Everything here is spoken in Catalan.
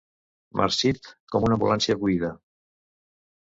Marcit com una ambulància buida.